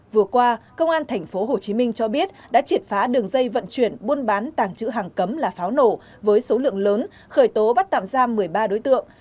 vừa qua công an tp hcm cho biết đã triệt phá đường dây vận chuyển buôn bán tàng chữ hàng cấm là pháo nổ với số lượng lớn khởi tố bắt tạm giam một mươi ba đối tượng